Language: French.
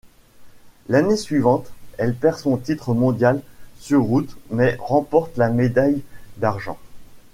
L'année suivante, elle perd son titre mondial sur route mais remporte la médaille d'argent.